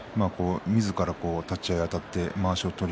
みずから立ち合いあたってまわしを取る